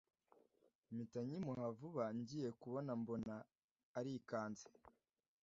mpita nyimuha vuba ngiye kubona mbona arinkanze